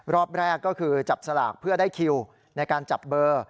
รอบแรกก็คือจับสลากเพื่อได้คิวในการจับเบอร์